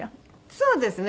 そうですね。